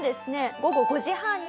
午後５時半に。